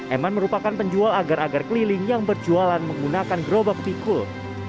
eman merupakan penjual agar agar keliling yang berjualan menggunakan gerobak pikul